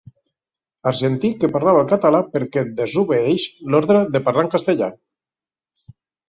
Argentí que parlava en català perquè ‘desobeeix’ l’ordre de parlar en castellà.